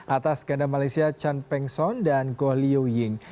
atas ganda malaysia chan peng son dan goh liu ying